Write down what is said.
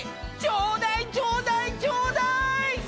ちょうだいちょうだいちょうだい！